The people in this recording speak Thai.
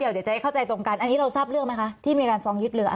ปีนี้น่ะอ่าฮะอ่าเอ๊ะใครเป็นผู้ฟองยึดเรือคะ